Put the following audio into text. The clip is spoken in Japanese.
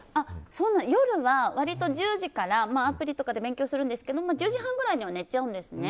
夜は割と１０時からアプリとかで勉強するんですけど１０時半ぐらいには寝ちゃうんですね。